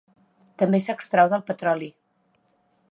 També s'extrau del petroli.